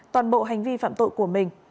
toàn bộ hành vi phạm tội của mình